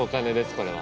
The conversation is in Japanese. これは。